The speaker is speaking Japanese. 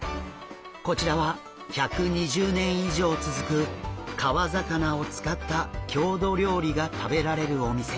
こちらは１２０年以上続く川魚を使った郷土料理が食べられるお店。